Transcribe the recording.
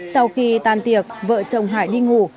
sau khi tàn tiệc vợ chồng hải đi ngủ